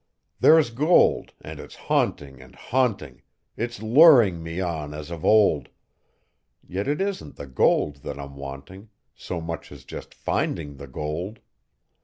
There's gold, and it's haunting and haunting; It's luring me on as of old; Yet it isn't the gold that I'm wanting So much as just finding the gold.